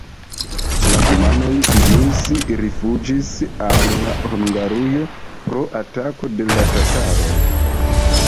La kumanoj ĵus rifuĝis al Hungarujo pro atako de la tataroj.